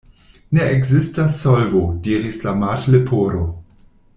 "Ne ekzistas solvo," diris la Martleporo.